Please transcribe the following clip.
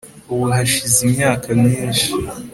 ubu hashize imyaka myinshi